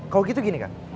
kalau gitu gini kang